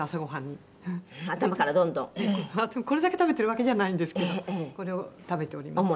でもこれだけ食べてるわけじゃないんですけどこれを食べております。